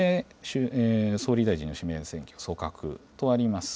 総理大臣の指名選挙、組閣とあります。